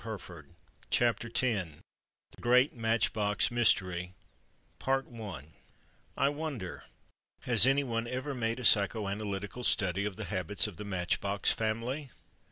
THE GREAT MATCH BOX MYSTERY PART ONE I wonder—has any one ever made a psychoanalytical study of the habits of the Match box family?